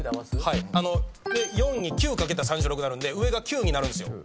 ４に９掛けたら３６なるんで上が９になる。